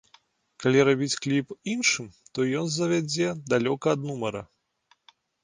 Калі рабіць кліп іншым, то ён завядзе далёка ад нумара.